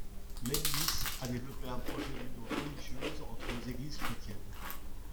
Leibniz a développé un projet d'union religieuse entre les Églises chrétiennes.